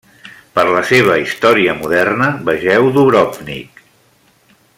Per la seva història moderna vegeu Dubrovnik.